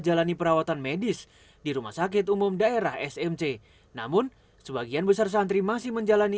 jalani perawatan medis di rumah sakit umum daerah smc namun sebagian besar santri masih menjalani